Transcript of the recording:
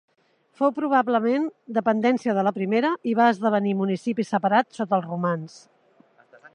Fou probablement dependència de la primera i va esdevenir municipi separat sota els romans.